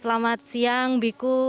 selamat siang biku